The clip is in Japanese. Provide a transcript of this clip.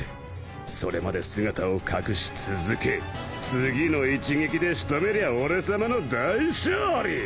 それまで姿を隠し続け次の一撃で仕留めりゃ俺さまの大勝利！